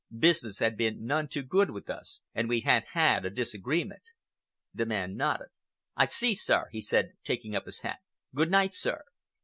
"Business had been none too good with us, and we had had a disagreement." The man nodded. "I see, sir," he said, taking up his hat. "Good night, sir!"